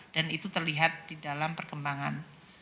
dan itu terlihat di dalam perkembangan